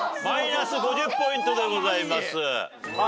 マイナス５０ポイントでございます。